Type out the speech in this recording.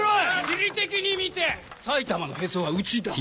地理的に見て埼玉のへそはうちだ。